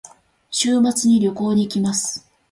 週末に旅行に行きます。